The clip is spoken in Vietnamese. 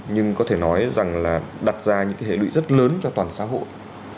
nhưng có thể nói rằng là đặt ra những cái hệ lụy rất lớn cho toàn xã hội